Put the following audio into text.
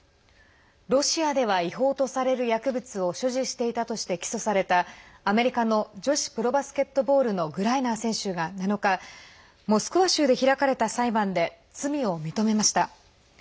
ロシアでは違法とされる薬物を所持していたとして起訴された、アメリカの女子プロバスケットボールのグライナー選手が７日、モスクワ州で開かれた裁判で罪を認めました。